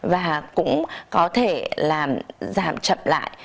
và cũng có thể làm giảm chậm lại